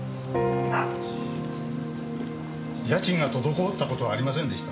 家賃が滞った事はありませんでした。